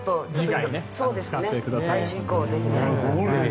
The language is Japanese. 来週以降ぜひ。